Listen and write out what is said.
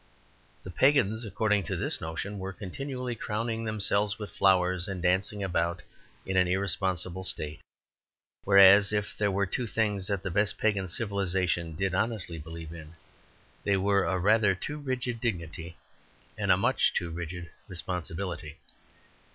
The pagans, according to this notion, were continually crowning themselves with flowers and dancing about in an irresponsible state, whereas, if there were two things that the best pagan civilization did honestly believe in, they were a rather too rigid dignity and a much too rigid responsibility.